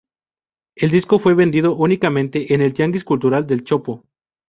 El disco fue vendido únicamente en el Tianguis Cultural del Chopo.